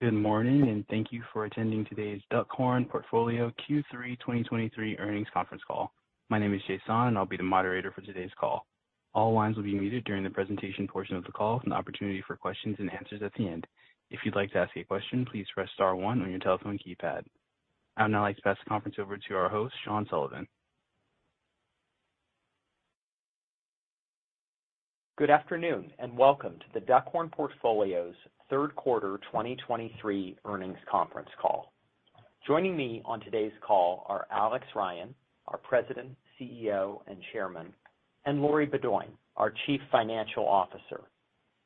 Good morning. Thank you for attending today's Duckhorn Portfolio Q3 2023 Earnings Conference Call. My name is Jason, and I'll be the moderator for today's call. All lines will be muted during the presentation portion of the call, with an opportunity for questions and answers at the end. If you'd like to ask a question, please press star one on your telephone keypad. I would now like to pass the conference over to our host, Sean Sullivan. Good afternoon, welcome to The Duckhorn Portfolio's Third Quarter 2023 Earnings Conference Call. Joining me on today's call are Alex Ryan, our President, CEO, and Chairman, and Lori Beaudoin, our Chief Financial Officer.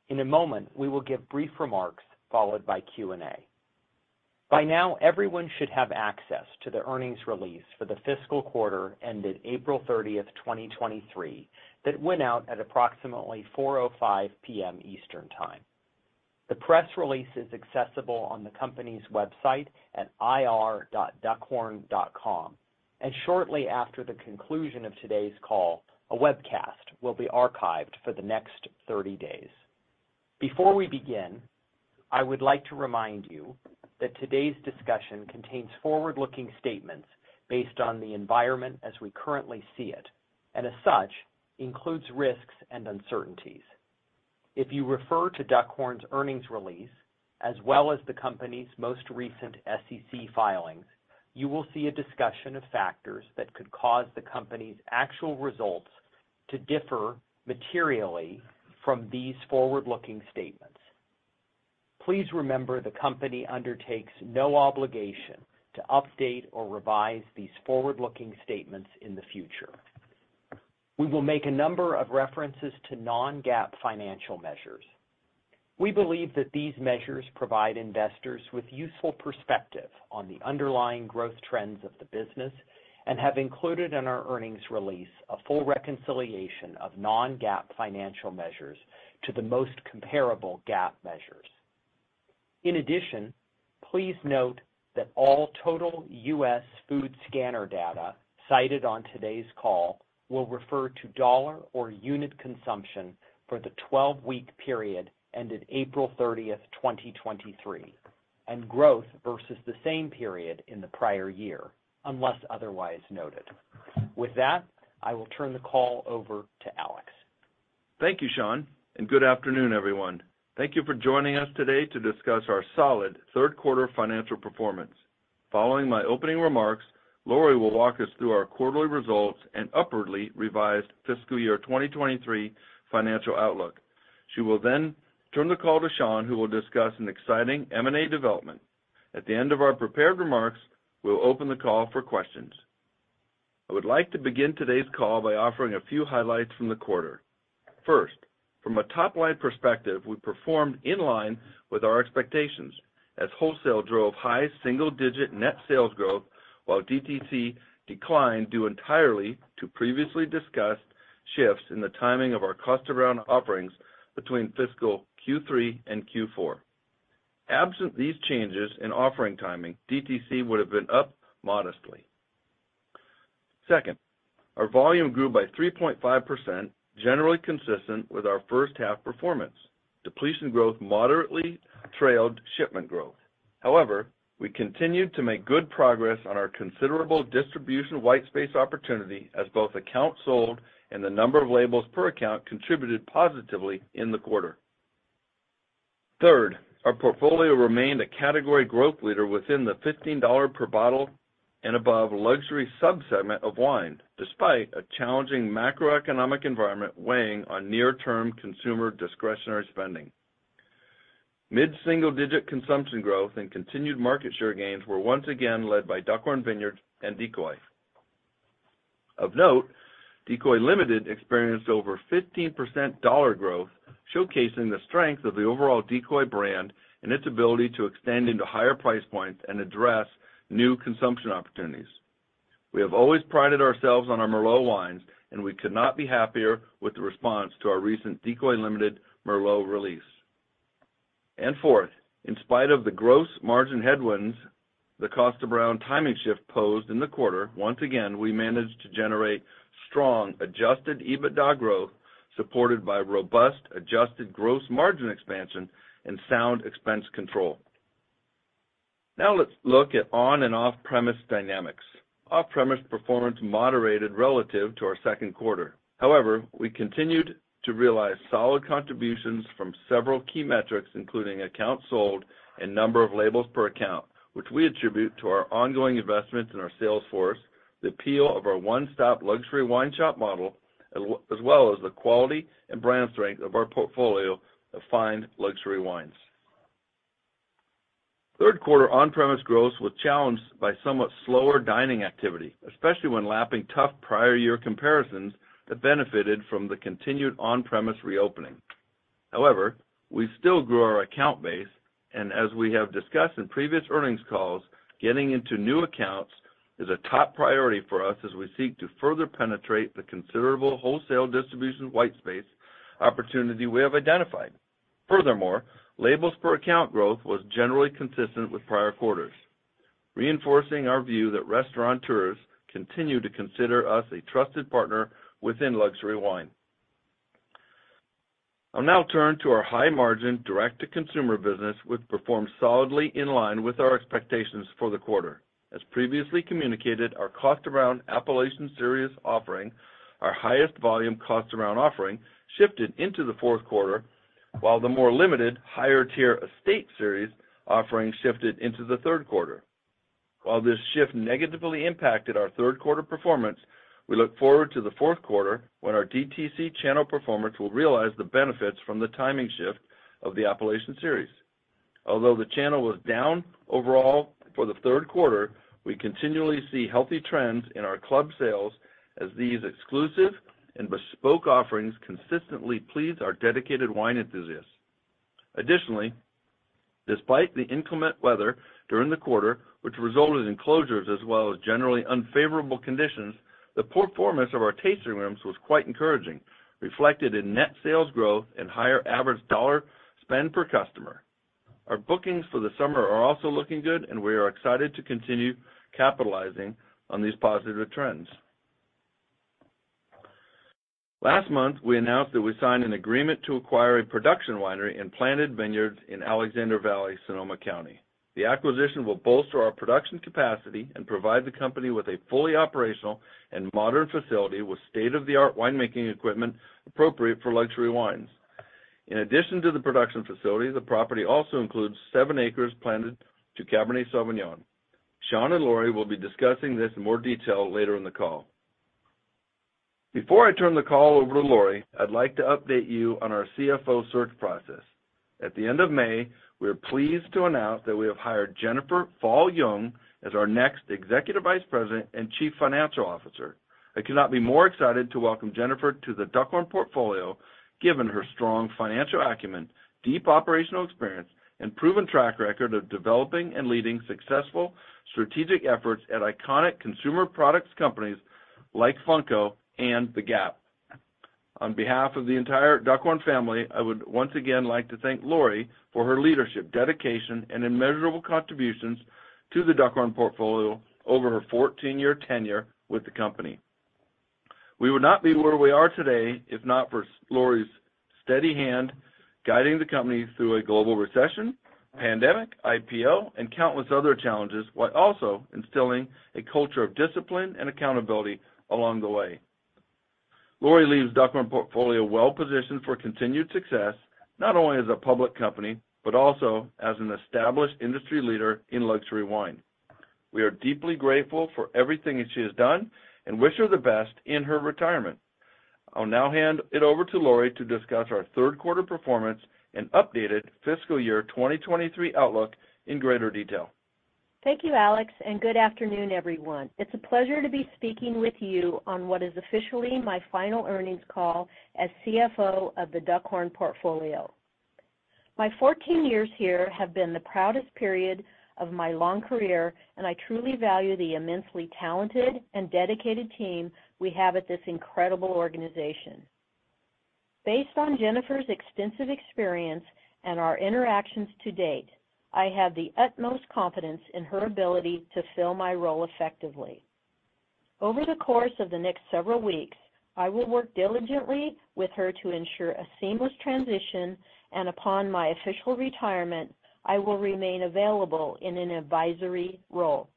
In a moment, we will give brief remarks, followed by Q&A. By now, everyone should have access to the earnings release for the fiscal quarter ended April 30th, 2023, that went out at approximately 4:05 P.M. Eastern Time. The press release is accessible on the company's website at ir.duckhorn.com. Shortly after the conclusion of today's call, a webcast will be archived for the next 30 days. Before we begin, I would like to remind you that today's discussion contains forward-looking statements based on the environment as we currently see it, and as such, includes risks and uncertainties. If you refer to Duckhorn's earnings release, as well as the company's most recent SEC filings, you will see a discussion of factors that could cause the company's actual results to differ materially from these forward-looking statements. Please remember, the company undertakes no obligation to update or revise these forward-looking statements in the future. We will make a number of references to non-GAAP financial measures. We believe that these measures provide investors with useful perspective on the underlying growth trends of the business and have included in our earnings release a full reconciliation of non-GAAP financial measures to the most comparable GAAP measures. In addition, please note that all total U.S. food scanner data cited on today's call will refer to dollar or unit consumption for the 12-week period ended April 30th, 2023, and growth versus the same period in the prior year, unless otherwise noted. With that, I will turn the call over to Alex. Thank you, Sean. Good afternoon, everyone. Thank you for joining us today to discuss our solid third quarter financial performance. Following my opening remarks, Lori will walk us through our quarterly results and upwardly revised fiscal year 2023 financial outlook. She will then turn the call to Sean, who will discuss an exciting M&A development. At the end of our prepared remarks, we'll open the call for questions. I would like to begin today's call by offering a few highlights from the quarter. First, from a top-line perspective, we performed in line with our expectations, as wholesale drove high single-digit net sales growth, while DTC declined due entirely to previously discussed shifts in the timing of our club around offerings between fiscal Q3 and Q4. Absent these changes in offering timing, DTC would have been up modestly. Second, our volume grew by 3.5%, generally consistent with our first half performance. Depletion growth moderately trailed shipment growth. We continued to make good progress on our considerable distribution white space opportunity, as both accounts sold and the number of labels per account contributed positively in the quarter. Third, our portfolio remained a category growth leader within the $15 per bottle and above luxury sub-segment of wine, despite a challenging macroeconomic environment weighing on near-term consumer discretionary spending. Mid-single-digit consumption growth and continued market share gains were once again led by Duckhorn Vineyards and Decoy. Of note, Decoy Limited experienced over 15% dollar growth, showcasing the strength of the overall Decoy brand and its ability to extend into higher price points and address new consumption opportunities. We have always prided ourselves on our Merlot wines. We could not be happier with the response to our recent Decoy Limited Merlot release. Fourth, in spite of the gross margin headwinds, the Kosta Browne timing shift posed in the quarter, once again, we managed to generate strong adjusted EBITDA growth, supported by robust adjusted gross margin expansion and sound expense control. Let's look at on and off-premise dynamics. Off-premise performance moderated relative to our second quarter. We continued to realize solid contributions from several key metrics, including accounts sold and number of labels per account, which we attribute to our ongoing investments in our sales force, the appeal of our one-stop luxury wine shop model, as well as the quality and brand strength of our portfolio of fine luxury wines. Third quarter on-premise growth was challenged by somewhat slower dining activity, especially when lapping tough prior year comparisons that benefited from the continued on-premise reopening. However, we still grew our account base, and as we have discussed in previous earnings calls, getting into new accounts is a top priority for us as we seek to further penetrate the considerable wholesale distribution white space opportunity we have identified. Furthermore, labels per account growth was generally consistent with prior quarters, reinforcing our view that restaurateurs continue to consider us a trusted partner within luxury wine. I'll now turn to our high-margin direct-to-consumer business, which performed solidly in line with our expectations for the quarter. As previously communicated, our Kosta Browne Appellation Series offering, our highest volume Kosta Browne offering, shifted into the fourth quarter, while the more limited, higher-tier Estate Series offering shifted into the third quarter. While this shift negatively impacted our third quarter performance, we look forward to the fourth quarter, when our DTC channel performance will realize the benefits from the timing shift of the Appellation Series. The channel was down overall for the third quarter, we continually see healthy trends in our club sales as these exclusive and bespoke offerings consistently please our dedicated wine enthusiasts. Additionally, despite the inclement weather during the quarter, which resulted in closures as well as generally unfavorable conditions, the performance of our tasting rooms was quite encouraging, reflected in net sales growth and higher average dollar spend per customer. Our bookings for the summer are also looking good, and we are excited to continue capitalizing on these positive trends. Last month, we announced that we signed an agreement to acquire a production winery and planted vineyards in Alexander Valley, Sonoma County. The acquisition will bolster our production capacity and provide the company with a fully operational and modern facility with state-of-the-art winemaking equipment appropriate for luxury wines. In addition to the production facility, the property also includes seven acres planted to Cabernet Sauvignon. Sean and Lori will be discussing this in more detail later in the call. Before I turn the call over to Lori, I'd like to update you on our CFO search process. At the end of May, we are pleased to announce that we have hired Jennifer Fall Jung as our next Executive Vice President and Chief Financial Officer. I cannot be more excited to welcome Jennifer to The Duckhorn Portfolio, given her strong financial acumen, deep operational experience, and proven track record of developing and leading successful strategic efforts at iconic consumer products companies like Funko and The Gap. On behalf of the entire Duckhorn family, I would once again like to thank Lori for her leadership, dedication, and immeasurable contributions to The Duckhorn Portfolio over her 14-year tenure with the company. We would not be where we are today if not for Lori's steady hand, guiding the company through a global recession, pandemic, IPO, and countless other challenges, while also instilling a culture of discipline and accountability along the way. Lori leaves The Duckhorn Portfolio well positioned for continued success, not only as a public company, but also as an established industry leader in luxury wine. We are deeply grateful for everything that she has done and wish her the best in her retirement. I'll now hand it over to Lori to discuss our third quarter performance and updated fiscal year 2023 outlook in greater detail. Thank you, Alex. Good afternoon, everyone. It's a pleasure to be speaking with you on what is officially my final earnings call as CFO of The Duckhorn Portfolio. My 14 years here have been the proudest period of my long career, and I truly value the immensely talented and dedicated team we have at this incredible organization. Based on Jennifer's extensive experience and our interactions to date, I have the utmost confidence in her ability to fill my role effectively. Over the course of the next several weeks, I will work diligently with her to ensure a seamless transition. Upon my official retirement, I will remain available in an advisory role.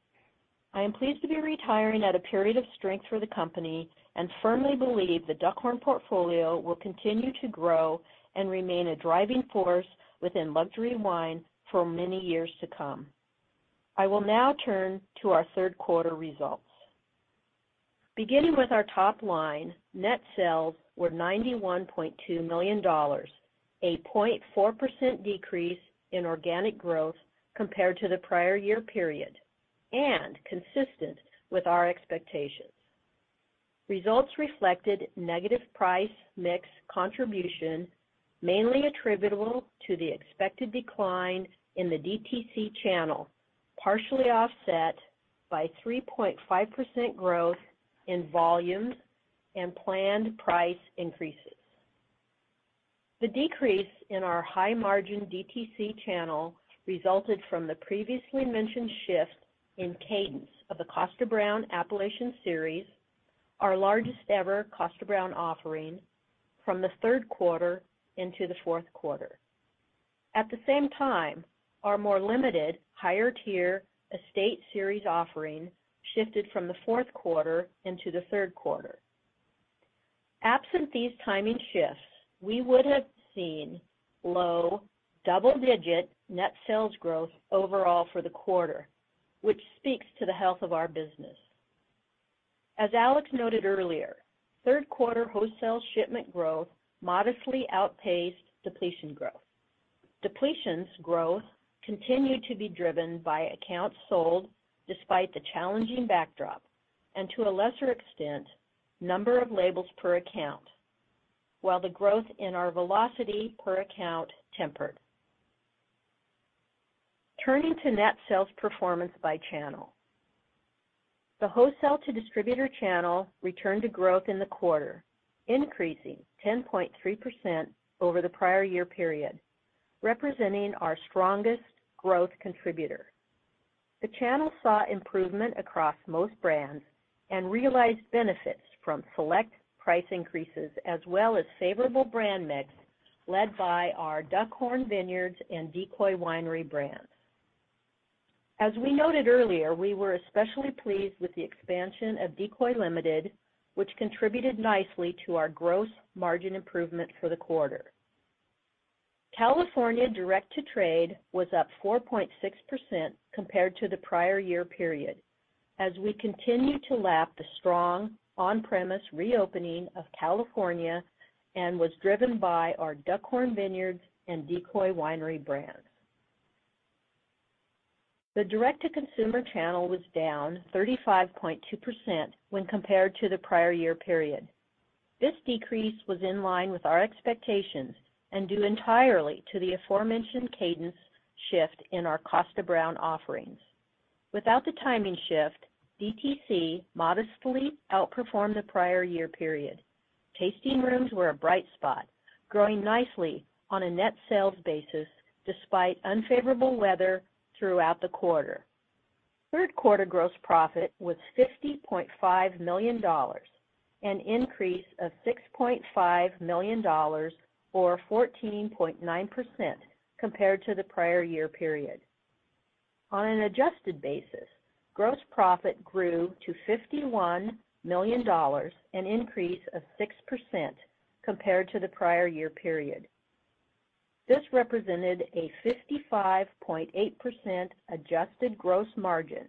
I am pleased to be retiring at a period of strength for the company and firmly believe The Duckhorn Portfolio will continue to grow and remain a driving force within luxury wine for many years to come. I will now turn to our third quarter results. Beginning with our top line, net sales were $91.2 million, a 0.4% decrease in organic growth compared to the prior year period, and consistent with our expectations. Results reflected negative price mix contribution, mainly attributable to the expected decline in the DTC channel, partially offset by 3.5% growth in volumes and planned price increases. The decrease in our high-margin DTC channel resulted from the previously mentioned shift in cadence of the Kosta Browne Appellation Series, our largest-ever Kosta Browne offering, from the third quarter into the fourth quarter. At the same time, our more limited, higher-tier Estate Series offering shifted from the fourth quarter into the third quarter. Absent these timing shifts, we would have seen low double-digit net sales growth overall for the quarter, which speaks to the health of our business. As Alex noted earlier, third quarter wholesale shipment growth modestly outpaced depletion growth. Depletions growth continued to be driven by accounts sold despite the challenging backdrop, and to a lesser extent, number of labels per account, while the growth in our velocity per account tempered. Turning to net sales performance by channel. The wholesale to distributor channel returned to growth in the quarter, increasing 10.3% over the prior year period, representing our strongest growth contributor. The channel saw improvement across most brands and realized benefits from select price increases, as well as favorable brand mix, led by our Duckhorn Vineyards and Decoy Winery brands. As we noted earlier, we were especially pleased with the expansion of Decoy Limited, which contributed nicely to our gross margin improvement for the quarter. California direct to trade was up 4.6% compared to the prior year period, as we continue to lap the strong on-premise reopening of California and was driven by our Duckhorn Vineyards and Decoy Winery brands. The direct-to-consumer channel was down 35.2% when compared to the prior year period. This decrease was in line with our expectations and due entirely to the aforementioned cadence shift in our Kosta Browne offerings. Without the timing shift, DTC modestly outperformed the prior year period. Tasting rooms were a bright spot, growing nicely on a net sales basis despite unfavorable weather throughout the quarter. Third quarter gross profit was $50.5 million, an increase of $6.5 million, or 14.9% compared to the prior year period. On an adjusted basis, gross profit grew to $51 million, an increase of 6% compared to the prior year period. This represented a 55.8% adjusted gross margin,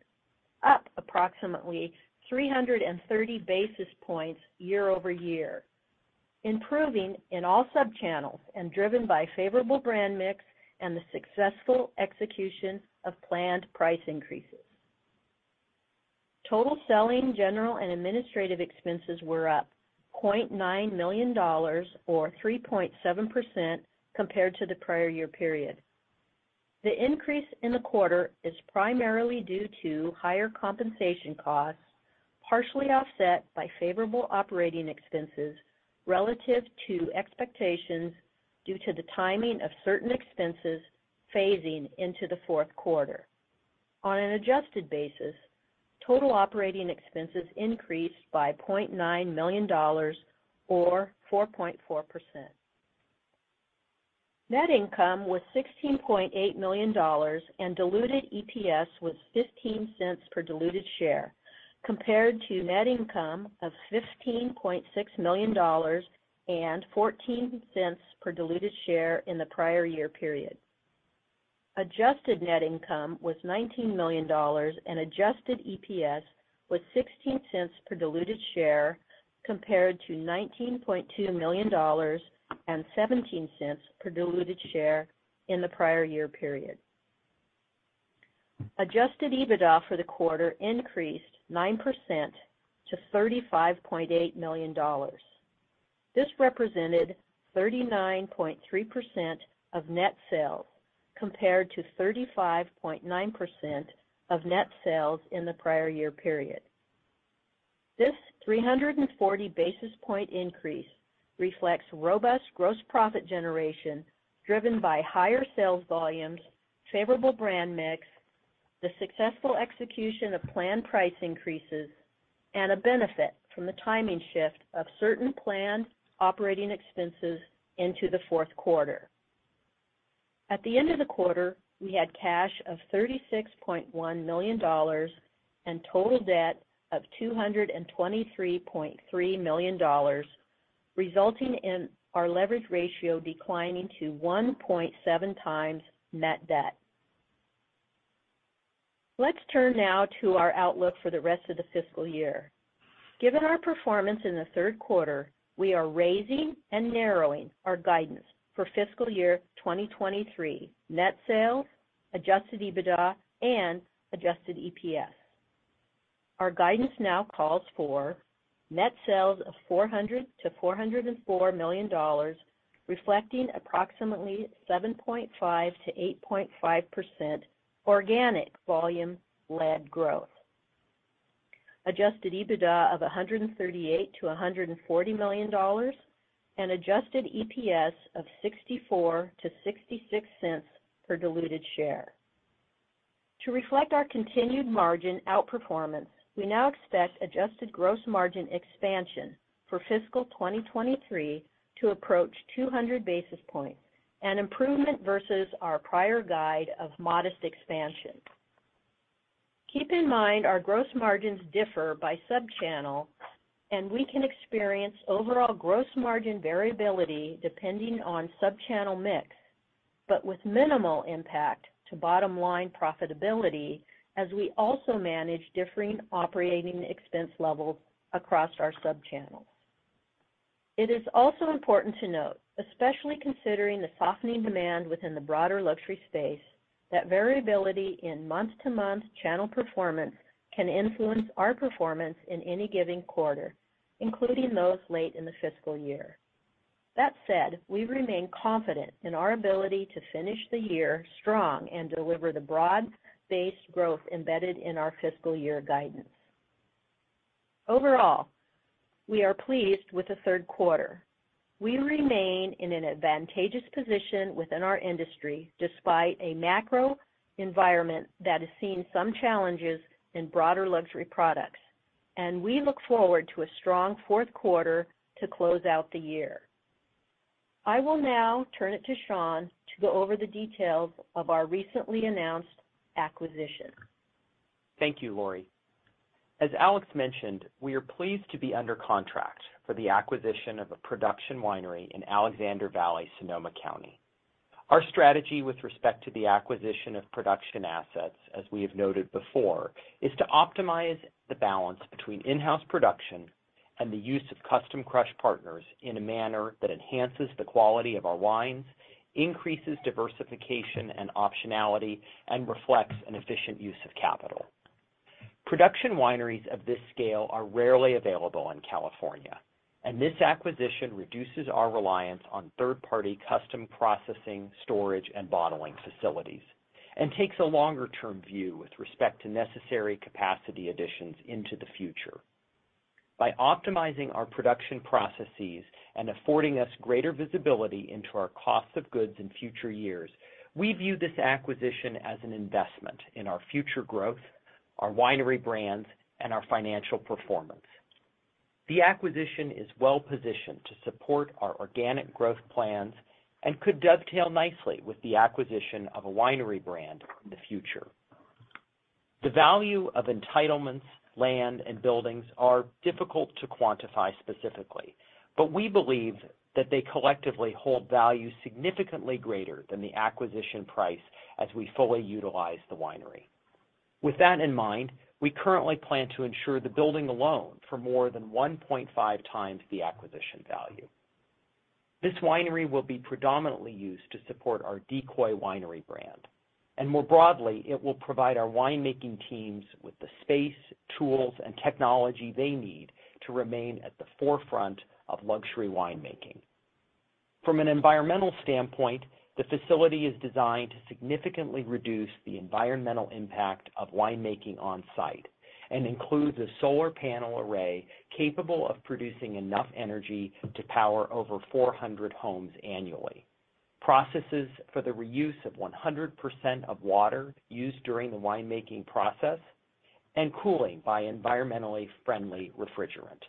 up approximately 330 basis points year-over-year, improving in all sub-channels and driven by favorable brand mix and the successful execution of planned price increases. Total selling, general and administrative expenses were up $0.9 million or 3.7% compared to the prior year period. The increase in the quarter is primarily due to higher compensation costs, partially offset by favorable operating expenses relative to expectations, due to the timing of certain expenses phasing into the fourth quarter. On an adjusted basis, total operating expenses increased by $0.9 million or 4.4%. Net income was $16.8 million, and diluted EPS was $0.15 per diluted share, compared to net income of $15.6 million and $0.14 per diluted share in the prior year period. Adjusted net income was $19 million, and adjusted EPS was $0.16 per diluted share, compared to $19.2 million and $0.17 per diluted share in the prior year period. Adjusted EBITDA for the quarter increased 9% to $35.8 million. This represented 39.3% of net sales compared to 35.9% of net sales in the prior year period. This 340 basis points increase reflects robust gross profit generation, driven by higher sales volumes, favorable brand mix, the successful execution of planned price increases, and a benefit from the timing shift of certain planned operating expenses into the fourth quarter. At the end of the quarter, we had cash of $36.1 million and total debt of $223.3 million, resulting in our leverage ratio declining to 1.7x net debt. Let's turn now to our outlook for the rest of the fiscal year. Given our performance in the third quarter, we are raising and narrowing our guidance for fiscal year 2023: net sales, adjusted EBITDA and adjusted EPS. Our guidance now calls for net sales of $400 million-$404 million, reflecting approximately 7.5%-8.5% organic volume-led growth. Adjusted EBITDA of $138 million-$140 million, and adjusted EPS of $0.64-$0.66 per diluted share. To reflect our continued margin outperformance, we now expect adjusted gross margin expansion for fiscal 2023 to approach 200 basis points, an improvement versus our prior guide of modest expansion. Keep in mind, our gross margins differ by sub-channel, and we can experience overall gross margin variability depending on sub-channel mix, but with minimal impact to bottom line profitability, as we also manage differing operating expense levels across our sub-channels. It is also important to note, especially considering the softening demand within the broader luxury space, that variability in month-to-month channel performance can influence our performance in any given quarter, including those late in the fiscal year. That said, we remain confident in our ability to finish the year strong and deliver the broad-based growth embedded in our fiscal year guidance. Overall, we are pleased with the third quarter. We remain in an advantageous position within our industry, despite a macro environment that has seen some challenges in broader luxury products, and we look forward to a strong fourth quarter to close out the year. I will now turn it to Sean to go over the details of our recently announced acquisition. Thank you, Lori. As Alex mentioned, we are pleased to be under contract for the acquisition of a production winery in Alexander Valley, Sonoma County. Our strategy with respect to the acquisition of production assets, as we have noted before, is to optimize the balance between in-house production and the use of custom crush partners in a manner that enhances the quality of our wines, increases diversification and optionality, and reflects an efficient use of capital. Production wineries of this scale are rarely available in California, and this acquisition reduces our reliance on third-party custom processing, storage, and bottling facilities, and takes a longer-term view with respect to necessary capacity additions into the future. By optimizing our production processes and affording us greater visibility into our cost of goods in future years, we view this acquisition as an investment in our future growth, our winery brands, and our financial performance. The acquisition is well positioned to support our organic growth plans and could dovetail nicely with the acquisition of a winery brand in the future. The value of entitlements, land, and buildings are difficult to quantify specifically, but we believe that they collectively hold value significantly greater than the acquisition price as we fully utilize the winery. With that in mind, we currently plan to ensure the building alone for more than 1.5x the acquisition value. This winery will be predominantly used to support our Decoy Winery brand, and more broadly, it will provide our winemaking teams with the space, tools, and technology they need to remain at the forefront of luxury winemaking. From an environmental standpoint, the facility is designed to significantly reduce the environmental impact of winemaking on-site and includes a solar panel array capable of producing enough energy to power over 400 homes annually. Processes for the reuse of 100% of water used during the winemaking process and cooling by environmentally friendly refrigerant.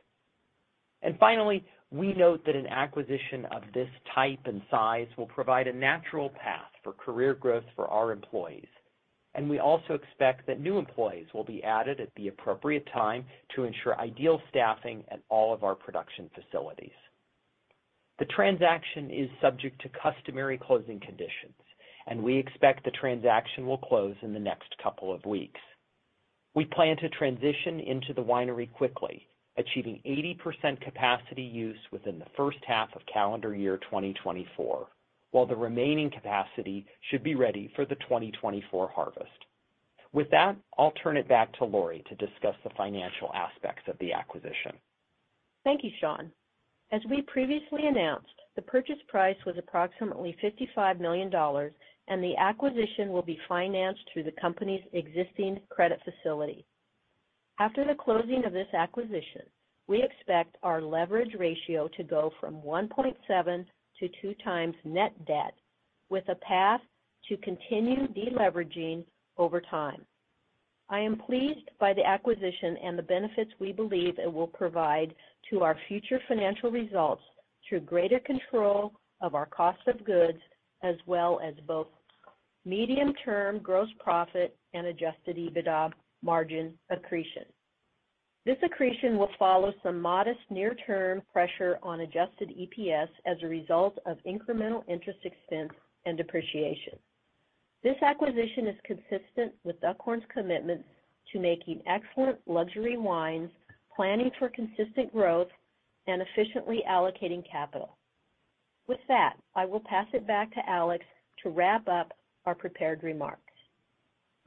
Finally, we note that an acquisition of this type and size will provide a natural path for career growth for our employees, and we also expect that new employees will be added at the appropriate time to ensure ideal staffing at all of our production facilities. The transaction is subject to customary closing conditions, and we expect the transaction will close in the next couple of weeks. We plan to transition into the winery quickly, achieving 80% capacity use within the first half of calendar year 2024, while the remaining capacity should be ready for the 2024 harvest. With that, I'll turn it back to Laurie to discuss the financial aspects of the acquisition. Thank you, Sean. As we previously announced, the purchase price was approximately $55 million, and the acquisition will be financed through the company's existing credit facility. After the closing of this acquisition, we expect our leverage ratio to go from 1.7x-2x net debt, with a path to continue deleveraging over time. I am pleased by the acquisition and the benefits we believe it will provide to our future financial results through greater control of our cost of goods, as well as both medium-term gross profit and adjusted EBITDA margin accretion. This accretion will follow some modest near-term pressure on adjusted EPS as a result of incremental interest expense and depreciation. This acquisition is consistent with Duckhorn's commitment to making excellent luxury wines, planning for consistent growth, and efficiently allocating capital. With that, I will pass it back to Alex to wrap up our prepared remarks.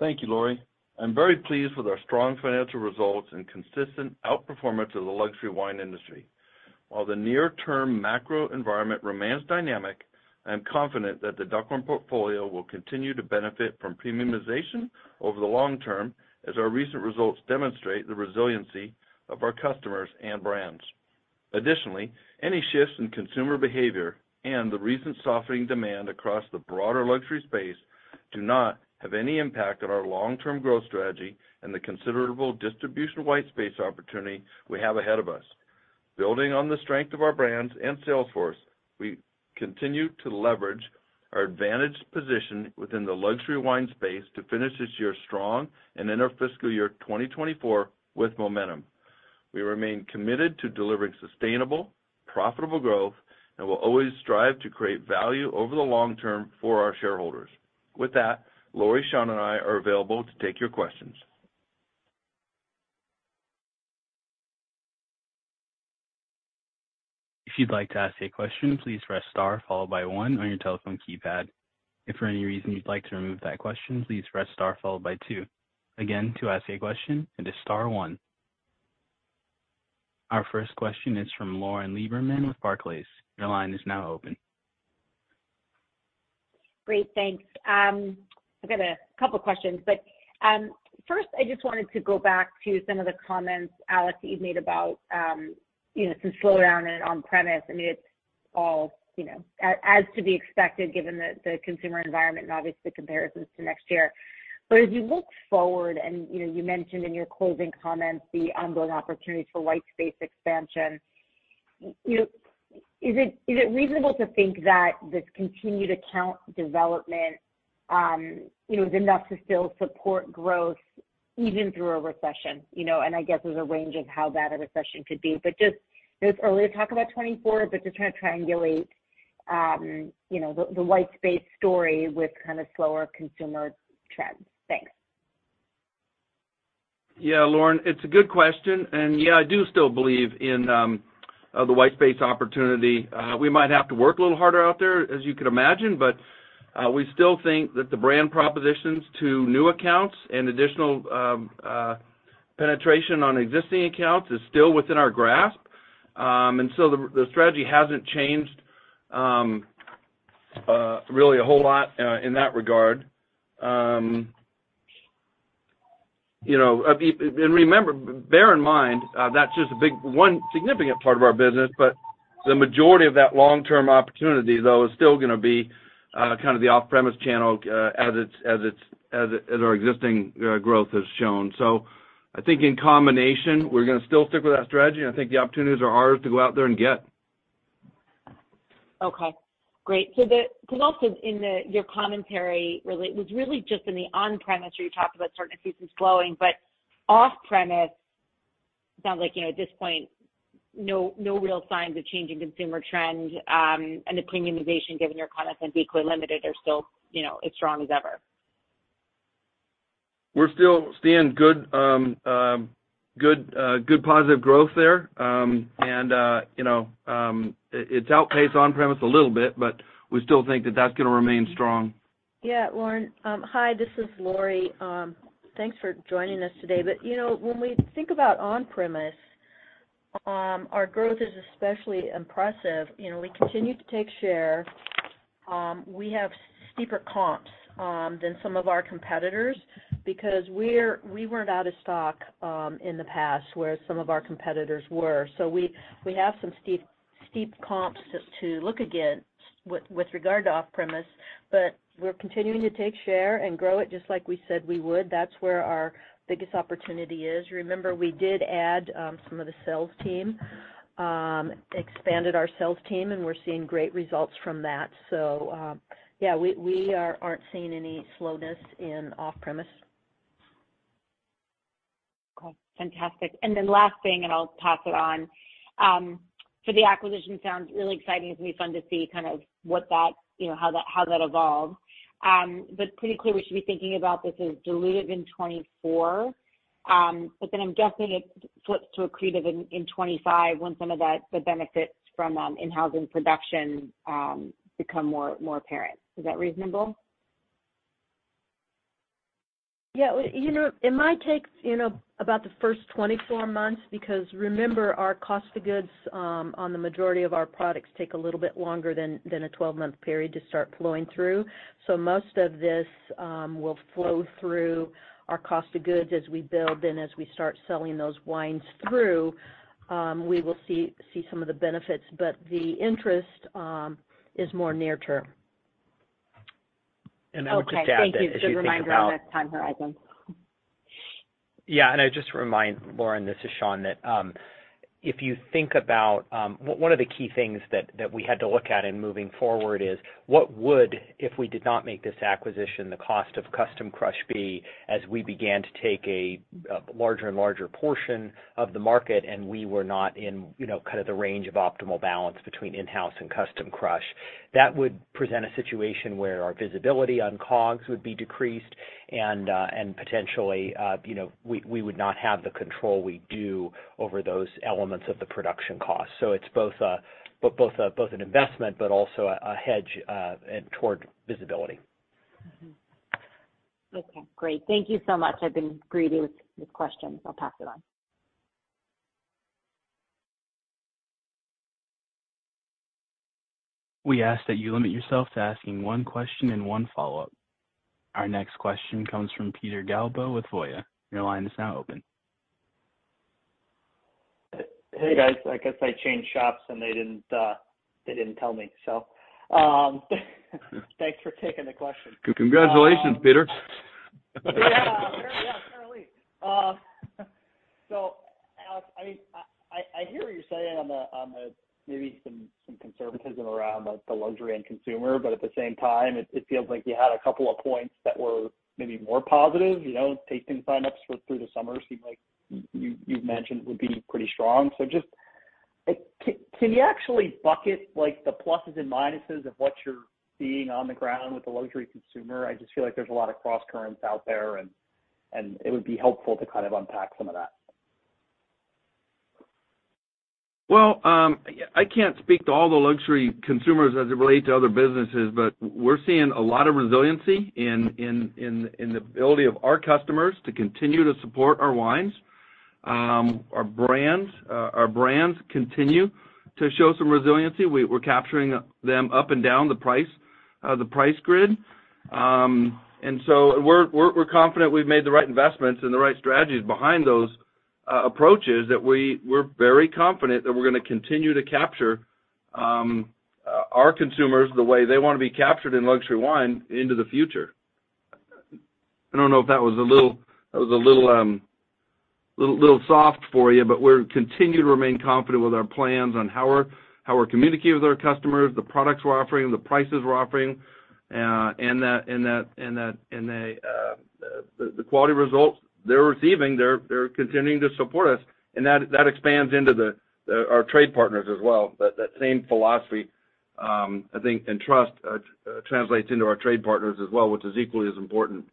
Thank you, Lori. I'm very pleased with our strong financial results and consistent outperformance of the luxury wine industry. While the near-term macro environment remains dynamic, I am confident that The Duckhorn Portfolio will continue to benefit from premiumization over the long term, as our recent results demonstrate the resiliency of our customers and brands. Any shifts in consumer behavior and the recent softening demand across the broader luxury space do not have any impact on our long-term growth strategy and the considerable distribution white space opportunity we have ahead of us. Building on the strength of our brands and sales force, we continue to leverage our advantaged position within the luxury wine space to finish this year strong and end our fiscal year 2024 with momentum. We remain committed to delivering sustainable, profitable growth and will always strive to create value over the long term for our shareholders. With that, Lori, Sean, and I are available to take your questions. If you'd like to ask a question, please press star followed by one on your telephone keypad. If for any reason you'd like to remove that question, please press star followed by two. Again, to ask a question, it is star one. Our first question is from Lauren Lieberman with Barclays. Your line is now open. Great, thanks. I've got a couple questions, but first, I just wanted to go back to some of the comments, Alex, that you've made about, you know, some slowdown in on-premise. I mean, it's all, you know, as to be expected, given the consumer environment and obviously comparisons to next year. As you look forward, you know, you mentioned in your closing comments the ongoing opportunities for white space expansion, is it reasonable to think that this continued account development, you know, is enough to still support growth even through a recession? I guess there's a range of how bad a recession could be, but it's early to talk about 2024, but just trying to triangulate, you know, the white space story with kind of slower consumer trends. Thanks. Yeah, Lauren, it's a good question. Yeah, I do still believe in the white space opportunity. We might have to work a little harder out there, as you could imagine, we still think that the brand propositions to new accounts and additional penetration on existing accounts is still within our grasp. The strategy hasn't changed really a whole lot in that regard. You know, and remember, bear in mind, that's just One significant part of our business, the majority of that long-term opportunity, though, is still gonna be kind of the off-premise channel, as it's, as our existing growth has shown. I think in combination, we're gonna still stick with that strategy, and I think the opportunities are ours to go out there and get. Okay, great. Because also in the, your commentary, really, it was really just in the on-premise where you talked about certain seasons slowing. Off-premise, it sounds like, you know, at this point, no real signs of changing consumer trends, and the premiumization, given your comments on Decoy Limited, are still, you know, as strong as ever. We're still seeing good positive growth there. You know it outpaced on-premise a little bit, but we still think that's gonna remain strong. Yeah, Lauren, hi, this is Lori. Thanks for joining us today. You know, when we think about on-premise, our growth is especially impressive. You know, we continue to take share. We have steeper comps than some of our competitors because we weren't out of stock in the past, whereas some of our competitors were. We have some steep comps to look against with regard to off-premise, but we're continuing to take share and grow it just like we said we would. That's where our biggest opportunity is. Remember, we did add some of the sales team, expanded our sales team, and we're seeing great results from that. Yeah, we aren't seeing any slowness in off-premise. Okay, fantastic. Last thing, and I'll pass it on. The acquisition sounds really exciting. It's gonna be fun to see kind of what that, you know, how that evolves. Pretty clear we should be thinking about this as dilutive in 2024. Then I'm guessing it flips to accretive in 2025 once some of that, the benefits from in-house production become more apparent. Is that reasonable? Yeah, well, you know, it might take, you know, about the first 24 months, because remember, our cost of goods, on the majority of our products, take a little bit longer than a 12-month period to start flowing through. Most of this, will flow through our cost of goods as we build. As we start selling those wines through, we will see some of the benefits, but the interest, is more near term. I would just add that if you. Okay, thank you. Good reminder on the time horizon. I'd just remind, Lauren, this is Sean, that, if you think about, one of the key things that we had to look at in moving forward is, what would, if we did not make this acquisition, the cost of custom crush be as we began to take a larger and larger portion of the market, and we were not in, you know, kind of the range of optimal balance between in-house and custom crush? That would present a situation where our visibility on COGS would be decreased, and potentially, you know, we would not have the control we do over those elements of the production cost. It's both an investment, but also a hedge, and toward visibility. Okay, great. Thank you so much. I've been greedy with questions. I'll pass it on. We ask that you limit yourself to asking one question and one follow-up. Our next question comes from Peter Galbo with BofA. Your line is now open. Hey, guys, I guess I changed shops, and they didn't, they didn't tell me. Thanks for taking the question. Congratulations, Peter. Yeah, apparently. Alex, I hear what you're saying on the, maybe some conservatism around the luxury and consumer, but at the same time, it feels like you had a couple of points that were maybe more positive. You know, tasting signups for through the summer seem like you've mentioned would be pretty strong. Just, can you actually bucket, like, the pluses and minuses of what you're seeing on the ground with the luxury consumer? I just feel like there's a lot of crosscurrents out there, and it would be helpful to kind of unpack some of that. Well, I can't speak to all the luxury consumers as it relate to other businesses, but we're seeing a lot of resiliency in the ability of our customers to continue to support our wines. Our brands continue to show some resiliency. We're capturing them up and down the price, the price grid. We're confident we've made the right investments and the right strategies behind those approaches, that we're very confident that we're gonna continue to capture our consumers the way they wanna be captured in luxury wine into the future. I don't know if that was a little soft for you, but we're continue to remain confident with our plans on how we're communicating with our customers, the products we're offering, the prices we're offering, and the quality results they're receiving. They're continuing to support us. That expands into our trade partners as well. That same philosophy, I think, and trust, translates into our trade partners as well, which is equally as important.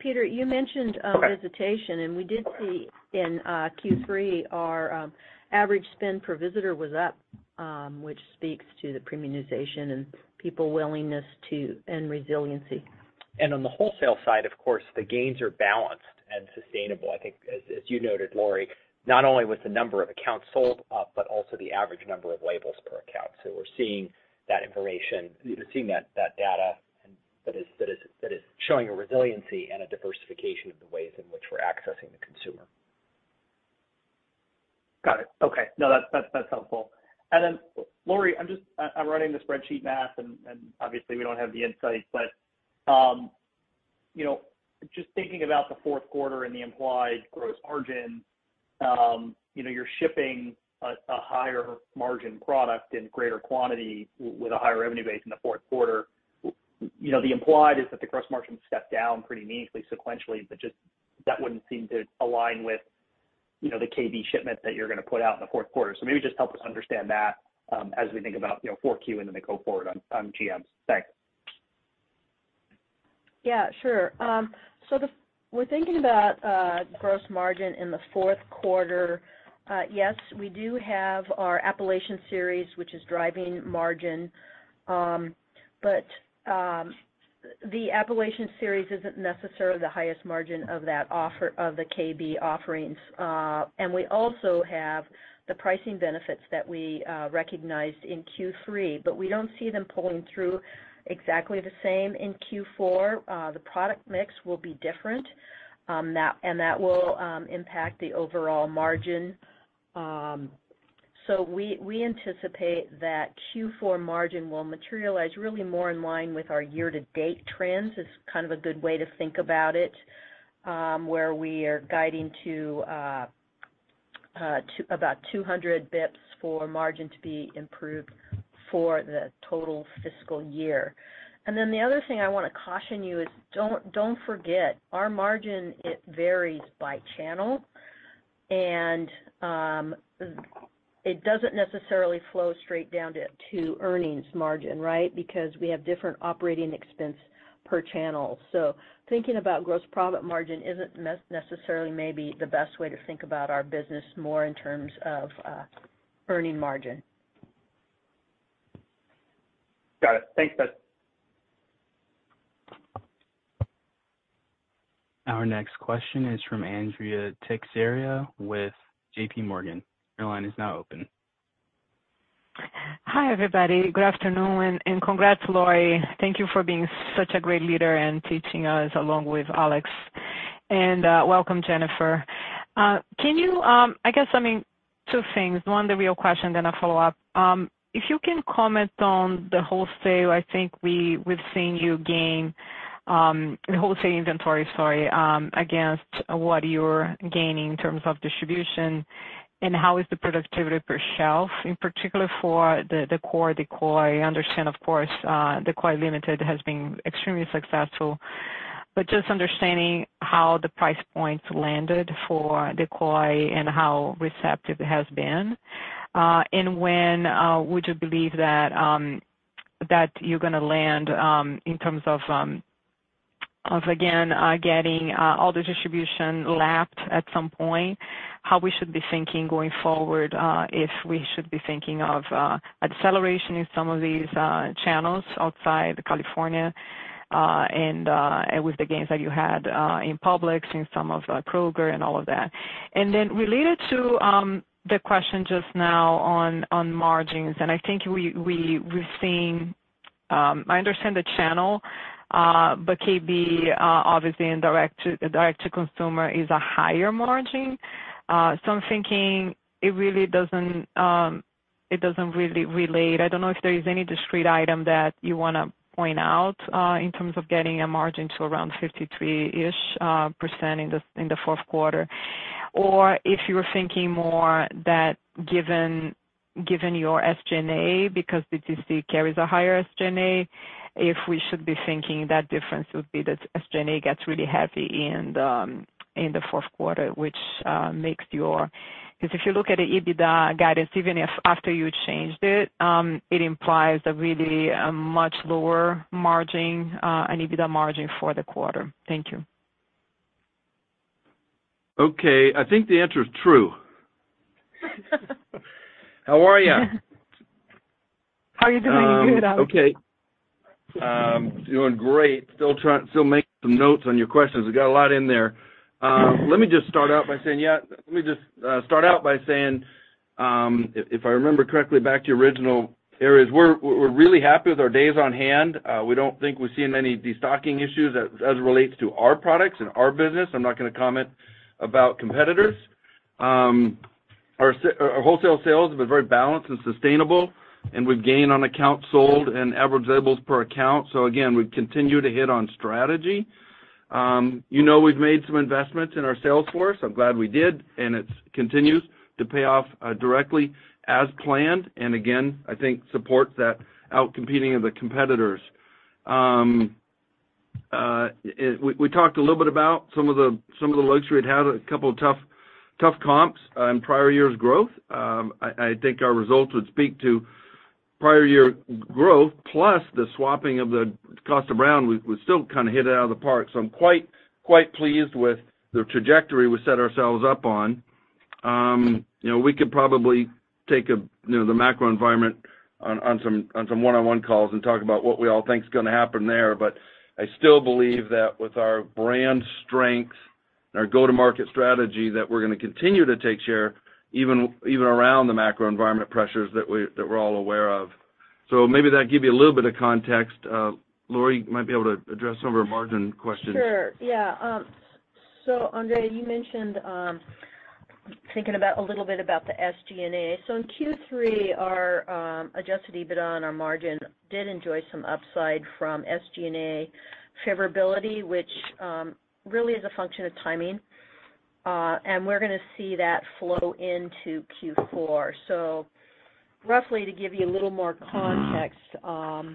Peter, you mentioned visitation, and we did see in Q3, our average spend per visitor was up, which speaks to the premiumization and people willingness to, and resiliency. On the wholesale side, of course, the gains are balanced and sustainable. I think as you noted, Laurie, not only was the number of accounts sold up, but also the average number of labels per account. We're seeing that data and that is showing a resiliency and a diversification of the ways in which we're accessing the consumer. Got it. Okay. No, that's helpful. Then, Lori Beaudoin, I'm running the spreadsheet math, and obviously, we don't have the insight. But, you know, just thinking about the fourth quarter and the implied gross margin, you know, you're shipping a higher margin product in greater quantity with a higher revenue base in the fourth quarter. You know, the implied is that the gross margin stepped down pretty meaningfully sequentially, but just, that wouldn't seem to align with, you know, the Kosta Browne shipments that you're gonna put out in the fourth quarter. So maybe just help us understand that, as we think about, you know, 4Q and then the go forward on GMs. Thanks. Yeah, sure. We're thinking about gross margin in the fourth quarter. Yes, we do have our Appellation Series, which is driving margin. The Appellation Series isn't necessarily the highest margin of the KB offerings. We also have the pricing benefits that we recognized in Q3, but we don't see them pulling through exactly the same in Q4. The product mix will be different, that will impact the overall margin. We anticipate that Q4 margin will materialize really more in line with our year-to-date trends, is kind of a good way to think about it, where we are guiding to about 200 basis points for margin to be improved for the total fiscal year. The other thing I wanna caution you is don't forget, our margin, it varies by channel, and it doesn't necessarily flow straight down to earnings margin, right? Because we have different operating expense per channel. Thinking about gross profit margin isn't necessarily maybe the best way to think about our business, more in terms of earning margin. Got it. Thanks, [Bet]. Our next question is from Andrea Teixeira with JPMorgan. Your line is now open. Hi, everybody. Good afternoon, and congrats, Lori. Thank you for being such a great leader and teaching us, along with Alex. Welcome, Jennifer. Can you, I guess, I mean, two things. One, the real question, then I'll follow up. If you can comment on the wholesale, I think we've seen you gain wholesale inventory, sorry, against what you're gaining in terms of distribution, and how is the productivity per shelf, in particular for the Core Decoy? I understand, of course, Decoy Limited has been extremely successful, but just understanding how the price points landed for Decoy and how receptive it has been. And when would you believe that you're going to land in terms of again, getting all the distribution lapped at some point, how we should be thinking going forward, if we should be thinking of acceleration in some of these channels outside California, and with the gains that you had in Publix, in some of Kroger and all of that. Then related to the question just now on margins, and I think we've seen, I understand the channel, but KB obviously in direct to consumer is a higher margin. So I'm thinking it really doesn't, it doesn't really relate. I don't know if there is any discrete item that you wanna point out, in terms of getting a margin to around 53-ish% in the fourth quarter. If you are thinking more that given your SG&A, because DTC carries a higher SG&A, if we should be thinking that difference would be that SG&A gets really heavy in the fourth quarter. Because if you look at the EBITDA guidance, even if after you changed it implies a really, a much lower margin, an EBITDA margin for the quarter. Thank you. Okay, I think the answer is true. How are you? How are you doing? Okay, doing great. Still trying, still making some notes on your questions. We got a lot in there. Let me just start out by saying, if I remember correctly, back to your original areas, we're really happy with our days on hand. We don't think we're seeing any destocking issues as it relates to our products and our business. I'm not gonna comment about competitors. Our wholesale sales have been very balanced and sustainable, and we've gained on accounts sold and average sales per account. Again, we've continued to hit on strategy. You know, we've made some investments in our sales force. I'm glad we did, and it's continues to pay off directly as planned, and again, I think supports that outcompeting of the competitors. We talked a little bit about some of the luxury it had, a couple of tough comps on prior year's growth. I think our results would speak to prior year growth, plus the swapping of the Kosta Browne, we still kind of hit it out of the park, so I'm quite pleased with the trajectory we set ourselves up on. You know, we could probably take a, you know, the macro environment on some one-on-one calls and talk about what we all think is gonna happen there. I still believe that with our brand strength and our go-to-market strategy, that we're gonna continue to take share, even around the macro environment pressures that we're all aware of. Maybe that'll give you a little bit of context. Lori, you might be able to address some of our margin questions. Sure, yeah. Andrea, you mentioned, thinking about, a little bit about the SG&A. In Q3, our adjusted EBITDA on our margin did enjoy some upside from SG&A favorability, which really is a function of timing. We're gonna see that flow into Q4. Roughly, to give you a little more context, a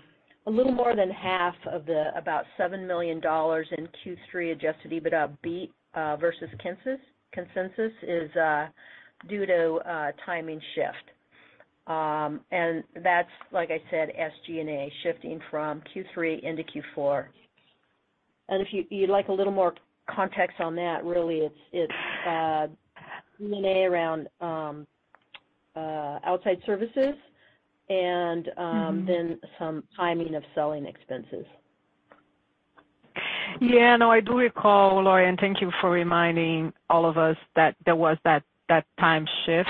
little more than half of the about $7 million in Q3 adjusted EBITDA beat versus consensus, is due to a timing shift. That's, like I said, SG&A shifting from Q3 into Q4. If you'd like a little more context on that, really, it's G&A around outside services and some timing of selling expenses. Yeah. No, I do recall, Lori, and thank you for reminding all of us that there was that time shift.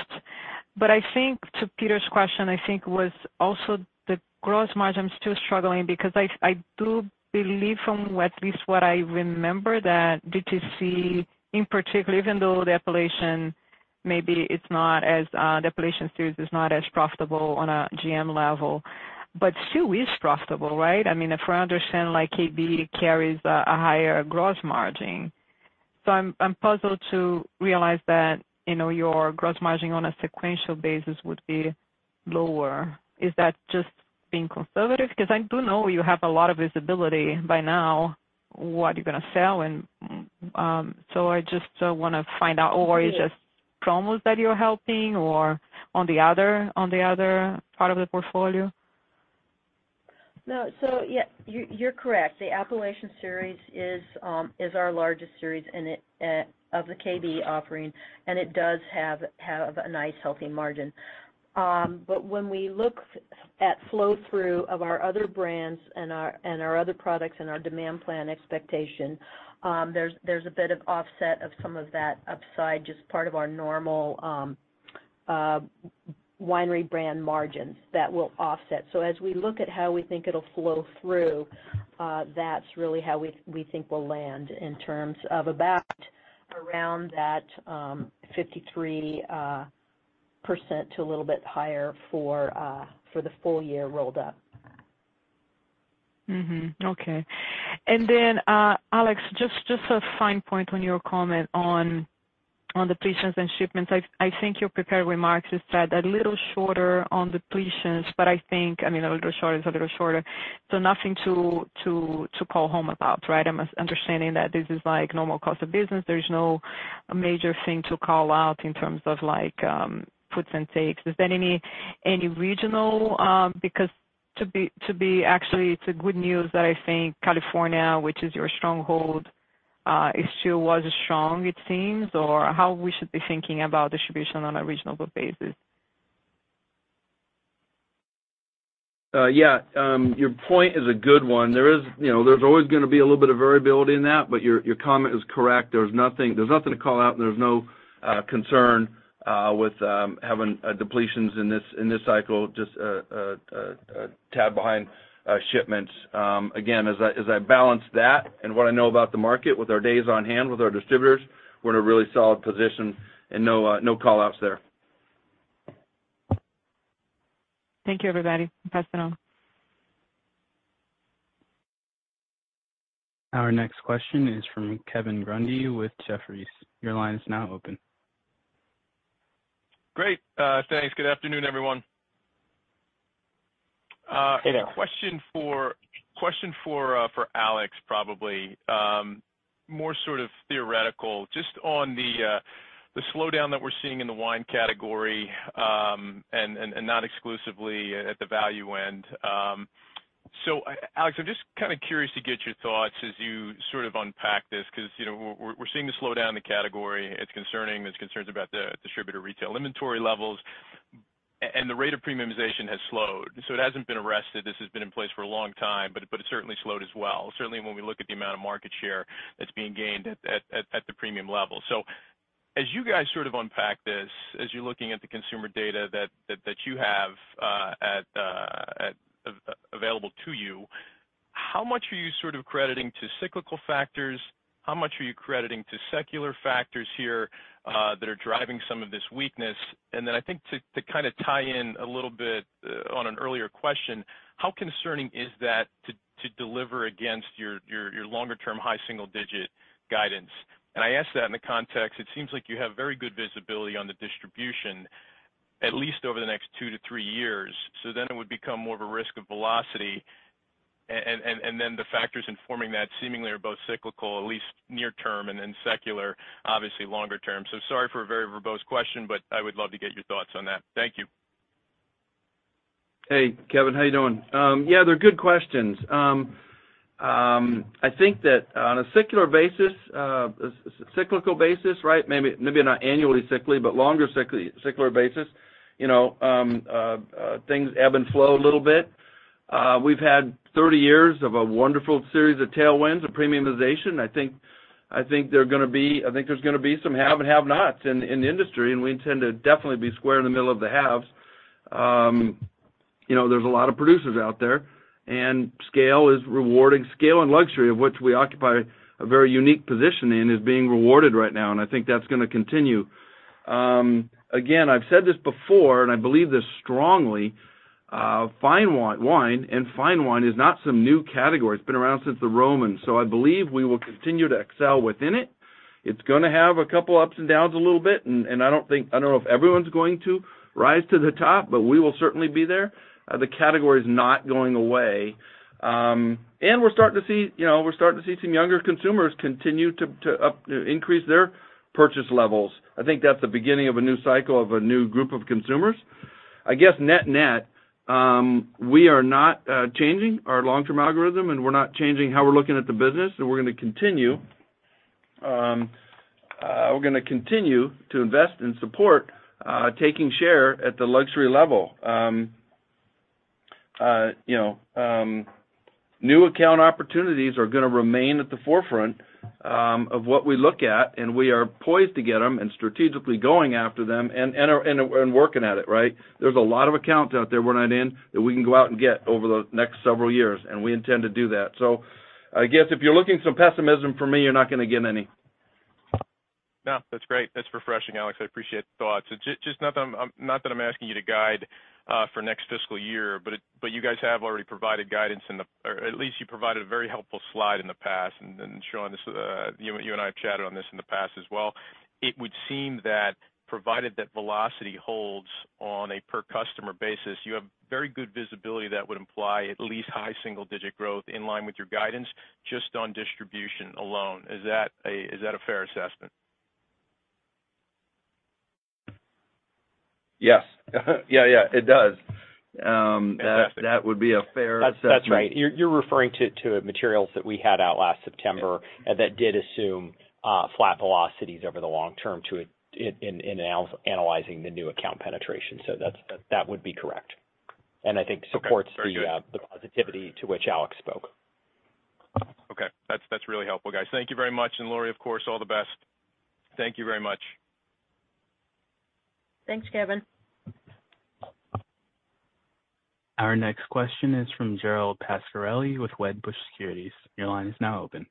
I think to Peter's question, I think was also the gross margins still struggling, because I do believe from what, at least what I remember, that DTC in particular, even though the Appellation maybe is not as Depletion Series is not as profitable on a GM level, but still is profitable, right? I mean, if I understand, like, KB carries a higher gross margin. I'm puzzled to realize that, you know, your gross margin on a sequential basis would be lower. Is that just being conservative? I do know you have a lot of visibility by now, what you're gonna sell. I just wanna find out, or is it just Promus that you're helping, or on the other part of the portfolio? No. Yeah, you're correct. The Appellation Series is our largest series of the KB offering, and it does have a nice, healthy margin. When we look at flow through of our other brands and our other products and our demand plan expectation, there's a bit of offset of some of that upside, just part of our normal winery brand margins that will offset. As we look at how we think it'll flow through, that's really how we think we'll land in terms of about around that 53% to a little bit higher for the full year rolled up. Okay. Then Alex, just a fine point on your comment on the depletions and shipments. I think your prepared remarks is that a little shorter on depletions, but I think, I mean, a little shorter is a little shorter, so nothing to call home about, right? I'm understanding that this is like normal cost of business. There's no major thing to call out in terms of like puts and takes. Is there any regional. Because to be actually, it's a good news that I think California, which is your stronghold, it still was strong, it seems, or how we should be thinking about distribution on a regional basis? Yeah, your point is a good one. There is, you know, there's always gonna be a little bit of variability in that, but your comment is correct. There's nothing, there's nothing to call out, and there's no concern with having depletions in this, in this cycle, just a tad behind shipments. Again, as I balance that and what I know about the market, with our days on hand, with our distributors, we're in a really solid position, and no call outs there. Thank you, everybody. [Pass it on]. Our next question is from Kevin Grundy with Jefferies. Your line is now open. Great. Thanks. Good afternoon, everyone. Hey there. A question for Alex, probably. More sort of theoretical, just on the slowdown that we're seeing in the wine category, and not exclusively at the value end. Alex, I'm just kind of curious to get your thoughts as you sort of unpack this, 'cause, you know, we're seeing the slowdown in the category. It's concerning. There's concerns about the distributor retail inventory levels, and the rate of premiumization has slowed. It hasn't been arrested, this has been in place for a long time, but it certainly slowed as well, certainly when we look at the amount of market share that's being gained at the premium level. As you guys sort of unpack this, as you're looking at the consumer data that you have available to you, how much are you sort of crediting to cyclical factors? How much are you crediting to secular factors here that are driving some of this weakness? Then I think to kind of tie in a little bit on an earlier question, how concerning is that to deliver against your longer term high single digit guidance? I ask that in the context, it seems like you have very good visibility on the distribution, at least over the next two to three years. It would become more of a risk of velocity, and then the factors in forming that seemingly are both cyclical, at least near term, and then secular, obviously longer term. Sorry for a very verbose question, but I would love to get your thoughts on that. Thank you. Hey, Kevin, how you doing? Yeah, they're good questions. I think that on a secular basis, cyclical basis, right? Maybe not annually cyclical, but longer secular basis, things ebb and flow a little bit. We've had 30 years of a wonderful series of tailwinds, of premiumization. I think there are gonna be some have and have-nots in the industry, and we intend to definitely be square in the middle of the haves. There's a lot of producers out there, and scale is rewarding. Scale and luxury, of which we occupy a very unique position in, is being rewarded right now, and I think that's gonna continue. Again, I've said this before, and I believe this strongly, fine wine and fine wine is not some new category. It's been around since the Romans, so I believe we will continue to excel within it. It's gonna have a couple ups and downs a little bit, and I don't think, I don't know if everyone's going to rise to the top, but we will certainly be there. The category is not going away. We're starting to see, you know, we're starting to see some younger consumers continue to increase their purchase levels. I think that's the beginning of a new cycle of a new group of consumers. I guess net-net, we are not changing our long-term algorithm. We're not changing how we're looking at the business, and we're gonna continue to invest and support taking share at the luxury level. You know, new account opportunities are gonna remain at the forefront of what we look at. We are poised to get them and strategically going after them and are working at it, right? There's a lot of accounts out there we're not in, that we can go out and get over the next several years, and we intend to do that. I guess if you're looking for some pessimism from me, you're not gonna get any. That's great. That's refreshing, Alex. I appreciate the thoughts. Just not that I'm not that I'm asking you to guide for next fiscal year, but you guys have already provided guidance in the, or at least you provided a very helpful slide in the past. Sean, this, you and I have chatted on this in the past as well. It would seem that provided that velocity holds on a per customer basis, you have very good visibility that would imply at least high single digit growth in line with your guidance, just on distribution alone. Is that a fair assessment? Yes. Yeah, it does. That would be a fair assessment. That's right. You're referring to materials that we had out last September. Yeah That did assume, flat velocities over the long term to it, analyzing the new account penetration. That's, that would be correct, and I think supports the positivity to which Alex spoke. Okay. That's really helpful, guys. Thank you very much. Lori, of course, all the best. Thank you very much. Thanks, Kevin. Our next question is from Gerald Pascarelli with Wedbush Securities. Your line is now open.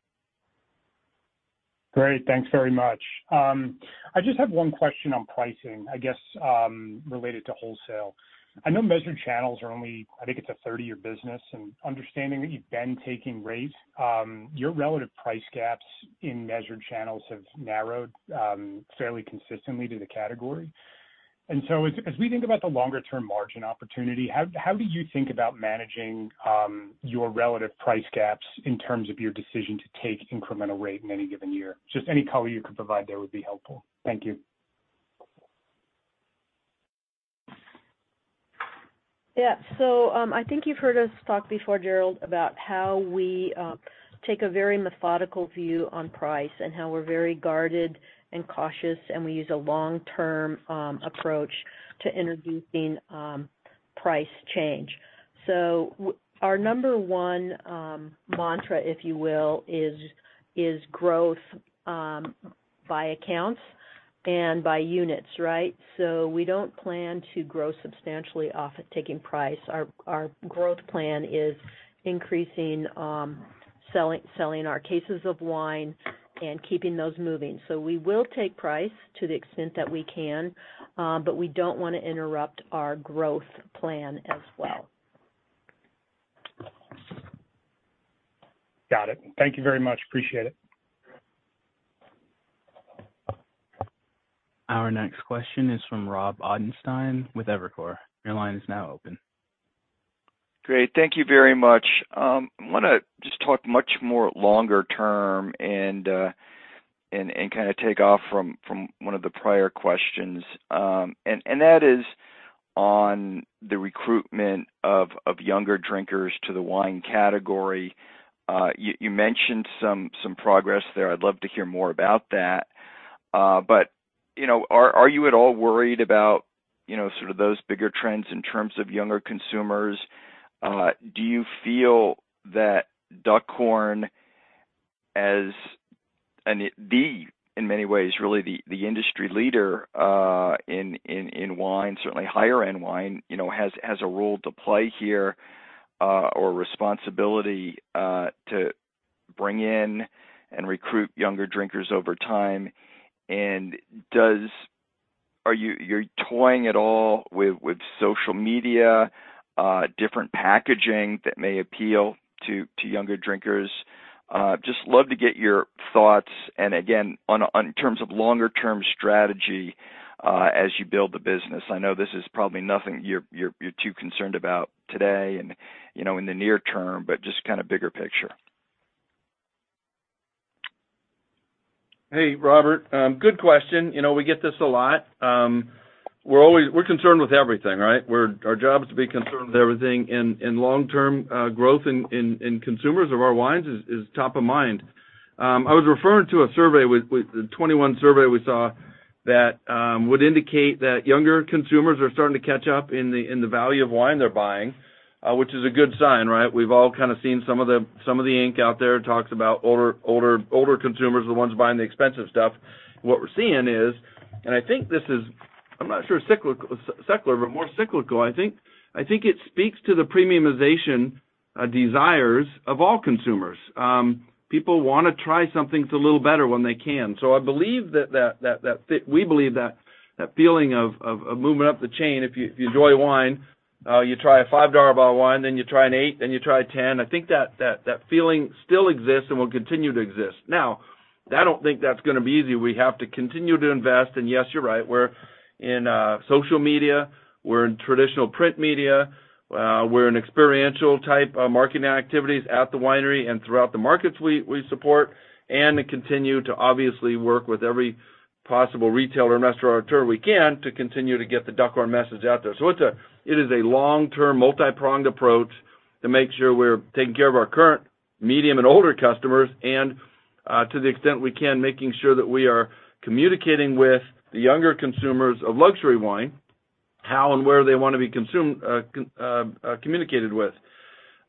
Great, thanks very much. I just have one question on pricing, I guess, related to wholesale. I know measured channels are only, I think it's a 30-year business, and understanding that you've been taking rate, your relative price gaps in measured channels have narrowed, fairly consistently to the category. As we think about the longer term margin opportunity, how do you think about managing your relative price gaps in terms of your decision to take incremental rate in any given year? Just any color you could provide there would be helpful. Thank you. Yeah. I think you've heard us talk before, Gerald, about how we take a very methodical view on price and how we're very guarded and cautious, and we use a long-term approach to introducing price change. Our number one mantra, if you will, is growth by accounts and by units, right? We don't plan to grow substantially off of taking price. Our growth plan is increasing selling our cases of wine and keeping those moving. We will take price to the extent that we can, but we don't wanna interrupt our growth plan as well. Got it. Thank you very much. Appreciate it. Our next question is from Rob Ottenstein with Evercore. Your line is now open. Great. Thank you very much. I wanna just talk much more longer term and, and kind of take off from one of the prior questions, and that is on the recruitment of younger drinkers to the wine category. You mentioned some progress there. I'd love to hear more about that. But, you know, are you at all worried about, you know, sort of those bigger trends in terms of younger consumers? Do you feel that Duckhorn, as, and the, in many ways, really the industry leader, in wine, certainly higher end wine, you know, has a role to play here, or responsibility to bring in and recruit younger drinkers over time? Are you toying at all with social media, different packaging that may appeal to younger drinkers? Just love to get your thoughts, and again, on terms of longer term strategy, as you build the business. I know this is probably nothing you're too concerned about today and, you know, in the near term, but just kind of bigger picture. Hey, Robert, good question. You know, we get this a lot. We're concerned with everything, right? Our job is to be concerned with everything, and long-term growth in consumers of our wines is top of mind. I was referring to a survey with the 21 survey we saw, that would indicate that younger consumers are starting to catch up in the value of wine they're buying, which is a good sign, right? We've all kind of seen some of the ink out there, talks about older consumers are the ones buying the expensive stuff. What we're seeing is, I'm not sure if cyclical-secular, but more cyclical. I think it speaks to the premiumization desires of all consumers. People wanna try something that's a little better when they can. We believe that feeling of moving up the chain, if you enjoy wine, you try a $5 bottle of wine, then you try an $8, then you try a $10. I think that feeling still exists and will continue to exist. I don't think that's gonna be easy. We have to continue to invest. Yes, you're right, we're in social media, we're in traditional print media, we're in experiential type of marketing activities at the winery and throughout the markets we support. To continue to obviously work with every possible retailer and restaurateur we can, to continue to get the Duckhorn message out there. It is a long-term, multipronged approach to make sure we're taking care of our current, medium and older customers, and to the extent we can, making sure that we are communicating with the younger consumers of luxury wine, how and where they want to be consumed, communicated with.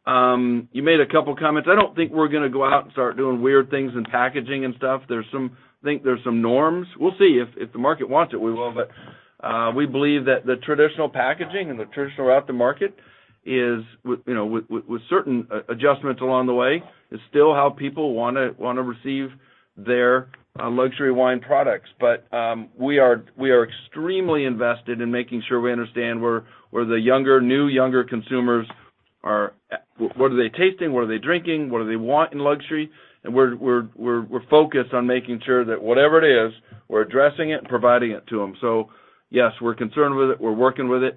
You made a couple comments. I don't think we're gonna go out and start doing weird things in packaging and stuff. I think there's some norms. We'll see. If the market wants it, we will, but we believe that the traditional packaging and the traditional route to market is with, you know, with certain adjustments along the way, is still how people wanna receive their luxury wine products. We are extremely invested in making sure we understand where the younger, new, younger consumers are. What are they tasting? What are they drinking? What do they want in luxury? We're focused on making sure that whatever it is, we're addressing it and providing it to them. Yes, we're concerned with it. We're working with it.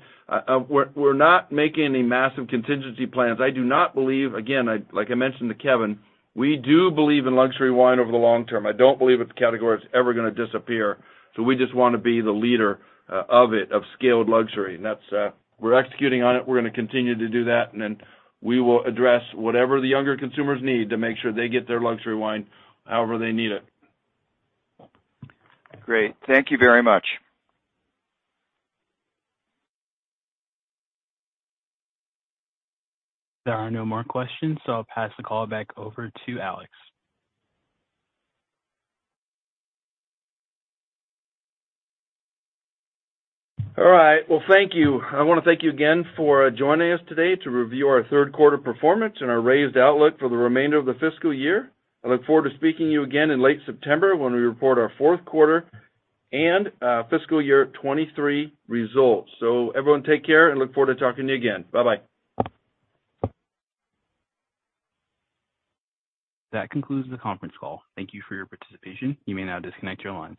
We're not making any massive contingency plans. I do not believe, again, like I mentioned to Kevin, we do believe in luxury wine over the long term. I don't believe that the category is ever gonna disappear, we just wanna be the leader of it, of scaled luxury. That's we're executing on it. We're gonna continue to do that, and then we will address whatever the younger consumers need to make sure they get their luxury wine however they need it. Great. Thank you very much. There are no more questions, so I'll pass the call back over to Alex. All right. Well, thank you. I wanna thank you again for joining us today to review our third quarter performance and our raised outlook for the remainder of the fiscal year. I look forward to speaking to you again in late September, when we report our fourth quarter and fiscal year 2023 results. Everyone take care and look forward to talking to you again. Bye-bye. That concludes the conference call. Thank you for your participation. You may now disconnect your lines.